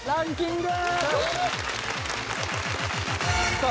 さあ